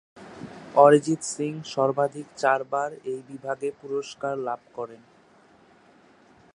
অরিজিৎ সিং সর্বাধিক চারবার এই বিভাগে পুরস্কার লাভ করেন।